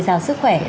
giàu sức khỏe